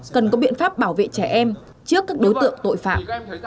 cần có biện pháp bảo vệ trẻ em trước các đối tượng tội phạm